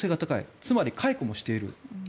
つまり解雇もしている。